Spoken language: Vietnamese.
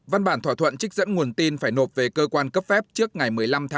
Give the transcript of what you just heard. văn bản thỏa thuận trích dẫn nguồn tin phải nộp về cơ quan cấp phép trước ngày một mươi năm một mươi một